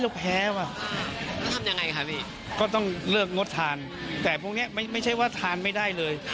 เราแพ้ว่ะก็ต้องเลิกงดทานแต่พวกเนี้ยไม่ไม่ใช่ว่าทานไม่ได้เลย